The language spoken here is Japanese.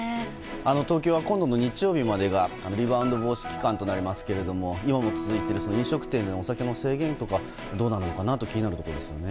東京は今度の日曜までがリバウンド防止期間となりますが今も続いている飲食店のお酒の制限とかどうなるのかなと気になるところですね。